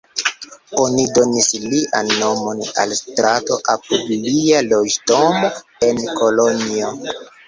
Oni donis lian nomon al strato apud lia loĝdomo en Kolonjo.